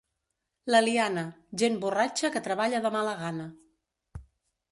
L'Eliana, gent borratxa que treballa de mala gana.